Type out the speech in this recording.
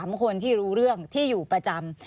๓คนที่รู้เรื่องที่อยู่ประจำ